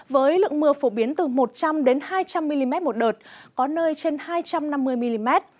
với lượng mưa phổ biến từ một trăm linh hai trăm linh mm một đợt có nơi trên hai trăm năm mươi mm